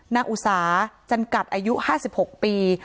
นักอุตสาห์จันกัดอายุ๕๖ปี